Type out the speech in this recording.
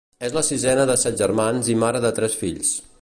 És la sisena de set germans i mare de tres fills.